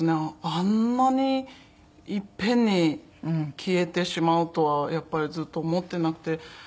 あんなに一遍に消えてしまうとはやっぱりずっと思っていなくて。